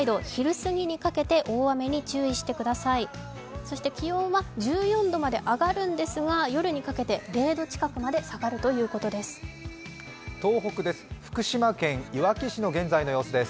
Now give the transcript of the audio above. そして気温は１４度まで上がるんですが夜にかけて０度近くまで下がるということです。